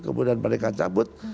kemudian mereka cabut